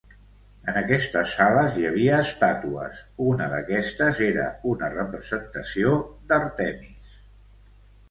En aquestes sales, hi havia estàtues, una d'aquestes era una representació d'Àrtemis.